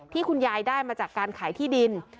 คุณยายได้มาจากการขายที่ดิน